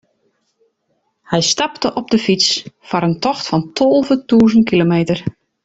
Hy stapte op de fyts foar in tocht fan tolve tûzen kilometer.